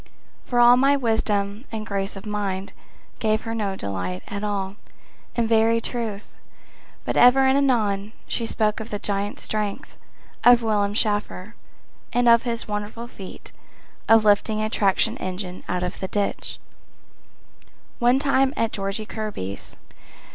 For all my wisdom and grace of mind Gave her no delight at all, in very truth, But ever and anon she spoke of the giant strength Of Willard Shafer, and of his wonderful feat Of lifting a traction engine out of the ditch One time at Georgie Kirby's.